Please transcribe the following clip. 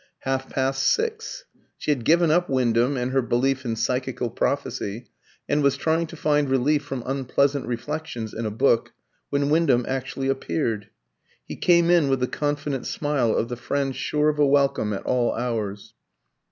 Half past six. She had given up Wyndham and her belief in psychical prophecy, and was trying to find relief from unpleasant reflections in a book, when Wyndham actually appeared. He came in with the confident smile of the friend sure of a welcome at all hours.